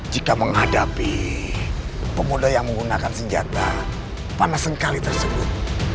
jika menghadapi pemuda yang menggunakan senjata panas sekali tersebut